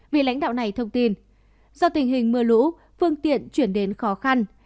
vì lãnh đạo này thông tin do tình hình mưa lũ phương tiện chuyển đến khó khăn